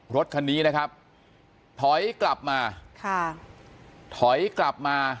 รถคันนี้นะครับถอยกลับมาค่ะถอยกลับมา